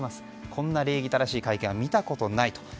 こんな礼儀正しい会見は見たことない。